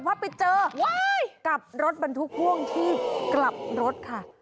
เพราะไปเจอกับรถบรรทุกพ่วงที่กลับรถค่ะ